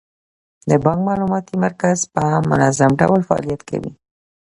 د بانک معلوماتي مرکز په منظم ډول فعالیت کوي.